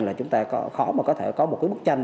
là chúng ta khó mà có thể có một cái bức tranh